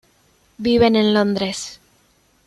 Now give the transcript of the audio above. Viven en Londres.